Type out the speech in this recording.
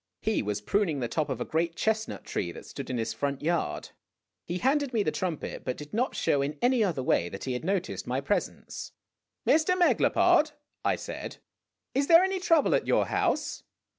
He was pruning the top of a oreat chestnut tree that stood in his front yard. o * He handed me the trumpet, but did not show in any other way that he had noticed my presence. "Mr. Megalopod," I said, "is there any trouble at your house?"